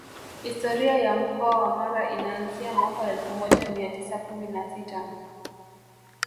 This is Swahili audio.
Historia ya Mkoa wa Mara inaanzia mwaka elfu moja mia tisa kumi na sita